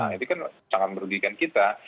nah itu kan sangat merugikan kita